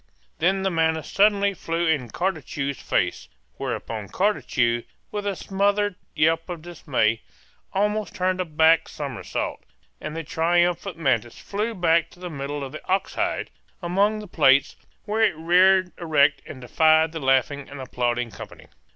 Then the mantis suddenly flew in Cartucho's face, whereupon Cartucho, with a smothered yelp of dismay, almost turned a back somersault; and the triumphant mantis flew back to the middle of the ox hide, among the plates, where it reared erect and defied the laughing and applauding company.